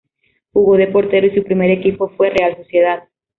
Jugó de portero y su primer equipo fue Real Sociedad.